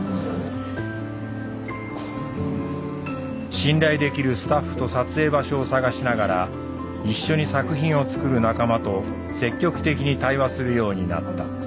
信頼できるスタッフと撮影場所を探しながら一緒に作品を作る仲間と積極的に対話するようになった。